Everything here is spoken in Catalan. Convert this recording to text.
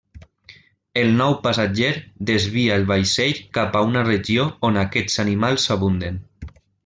El nou passatger desvia el vaixell cap a una regió on aquests animals abunden.